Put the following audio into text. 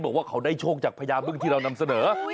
บอกว่าเขาได้โชคจากพญาบึ้งที่เรานำเสนอ